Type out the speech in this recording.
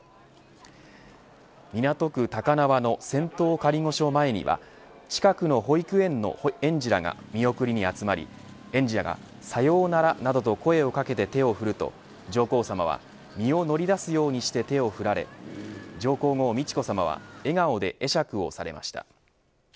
港区高輪の仙洞仮御所前には近くの保育園の園児らが見送りに集まり園児らがさようなら、などと声をかけて手を振ると上皇さまは、身を乗り出すようにして手を振られ上皇后美智子さまは笑顔で会釈をされました。